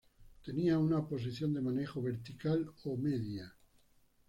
Tenía una posición de manejo vertical o media.